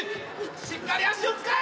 しっかり足を使え！